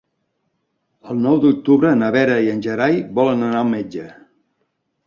El nou d'octubre na Vera i en Gerai volen anar al metge.